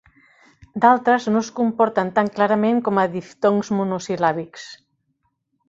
D'altres no es comporten tan clarament com a diftongs monosil·làbics.